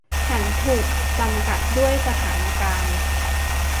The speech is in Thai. ฉันถูกจำกัดด้วยสถานการณ์